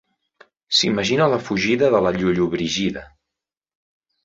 S'imagina la fugida de la Llollobrigida.